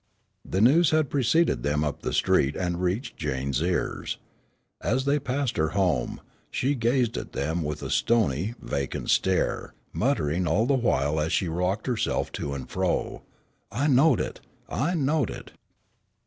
The news had preceded them up the street, and reached Jane's ears. As they passed her home, she gazed at them with a stony, vacant stare, muttering all the while as she rocked herself to and fro, "I knowed it, I knowed it!"